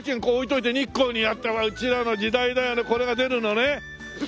こう置いといて日光にやってうちらの時代だよねこれが出るのね。